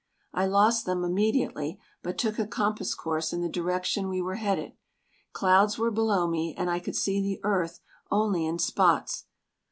I lost them immediately but took a compass course in the direction we were headed. Clouds were below me and I could see the earth only in spots.